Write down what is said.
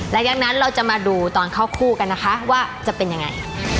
หลังจากนั้นเราจะมาดูตอนเข้าคู่กันนะคะว่าจะเป็นยังไง